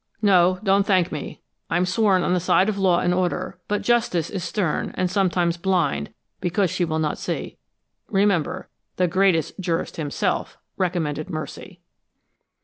"No, don't thank me! I'm sworn on the side of law and order, but Justice is stern and sometimes blind because she will not see. Remember, the Greatest Jurist Himself recommended mercy!"